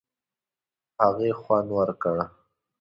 هغې خوند ورکړ.